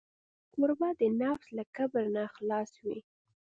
کوربه د نفس له کبره خلاص وي.